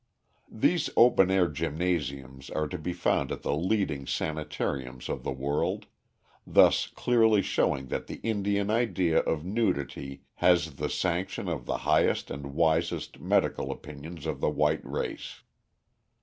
These open air gymnasiums are to be found at the leading sanitariums of the world, thus clearly showing that the Indian idea of nudity has the sanction of the highest and wisest medical opinions of the white race.